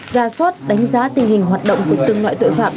ra soát đánh giá tình hình hoạt động của từng loại tội phạm